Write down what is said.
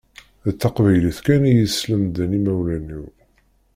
D taqbaylit kan i yi-islemden imawlan-iw.